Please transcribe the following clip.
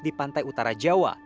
di pantai utara jawa